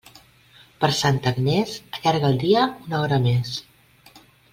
Per Santa Agnés, allarga el dia una hora més.